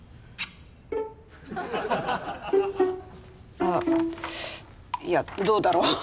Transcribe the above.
あっいやどうだろう。